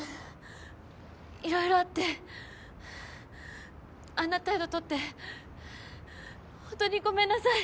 いろいろあってあんな態度とって本当にごめんなさい。